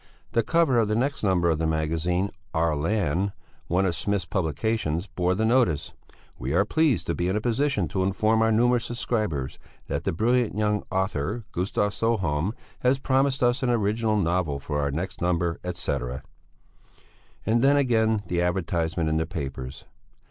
The cover of the next number of the magazine Our Land, one of Smith's publications, bore the notice: "We are pleased to be in a position to inform our numerous subscribers that the brilliant young author Gustav Sjöholm has promised us an original novel for our next number, etc." And then again the advertisement in the papers.